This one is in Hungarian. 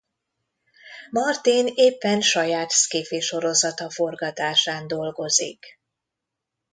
Martin éppen saját sci-fi sorozata forgatásán dolgozik.